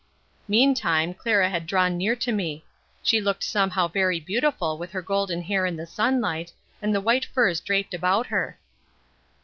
Meantime Clara had drawn nearer to me. She looked somehow very beautiful with her golden hair in the sunlight, and the white furs draped about her.